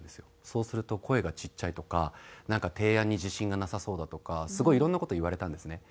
そうすると声がちっちゃいとかなんか提案に自信がなさそうだとかすごいいろんな事言われたんですね。